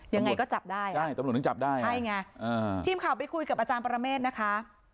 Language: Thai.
ยังไงก็จับได้อ่ะใช่ไงทีมข่าวไปคุยกับอาจารย์ประเมษนะคะ